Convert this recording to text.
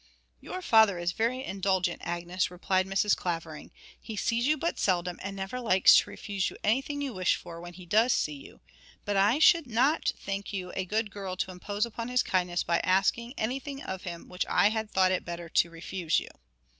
'Your father is very indulgent, Agnes,' replied Mrs. Clavering. 'He sees you but seldom, and never likes to refuse you anything you wish for when he does see you; but I should not think you a good girl to impose upon his kindness by asking anything of him which I had thought it better to refuse you.'